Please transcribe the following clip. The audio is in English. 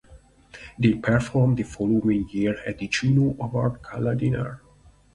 They performed the following year at the Juno Award Gala Dinner.